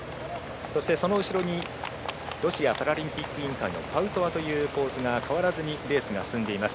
その後ろにロシアパラリンピック委員会のパウトワという構図が変わらずにレースが進んでいます。